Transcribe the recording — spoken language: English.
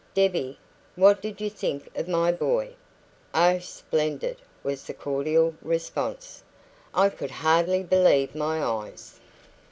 Debbie, what did you think of my boy?" "Oh, splendid!" was the cordial response. "I could hardly believe my eyes."